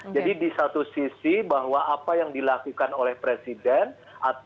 jadi di satu sisi bahwa apa yang dilakukan oleh pemerintah